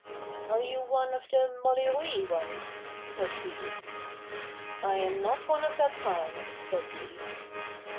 'Are you one of the Mollyruiy ones?' says she. 'I'm not one of that clan,' says he.